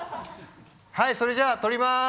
はいそれじゃあ撮ります。